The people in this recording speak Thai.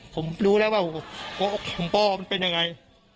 ผมรู้แล้วว่าของพ่อมันเป็นยังไง